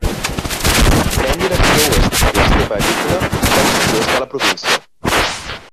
Pren direcció oest per l'estepa agrícola del sud-oest de la província.